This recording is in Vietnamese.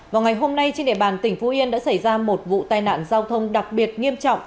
vào ngày hôm nay trên địa bàn tỉnh phú yên đã xảy ra một vụ tai nạn giao thông đặc biệt nghiêm trọng